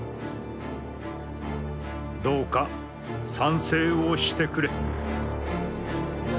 「どうか賛成をして呉れ」。